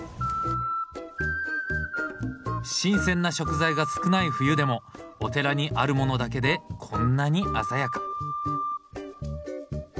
新鮮な食材が少ない冬でもお寺にあるものだけでこんなに鮮やか。